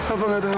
apa gak tahu